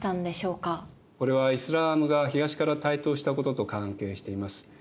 これはイスラームが東から台頭したことと関係しています。